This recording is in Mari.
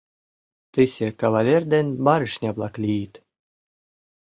Тысе кавалер ден барышня-влак лийыт...